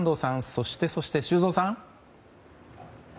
そしてそして、修造さん。